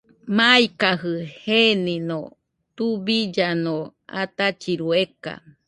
Maikajɨ genino tubillano atachiru eka.